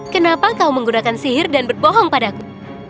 kenapa kau menggunakan sihir dan berbohong padaku